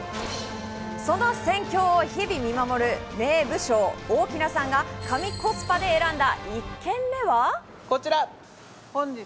その戦況を日々見守る名武将・大木奈さんが神コスパで選んだ